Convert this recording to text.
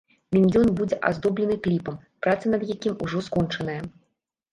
Міньён будзе аздоблены кліпам, праца над якім ужо скончаная.